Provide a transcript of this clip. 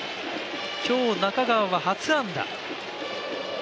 今日、中川は初安打。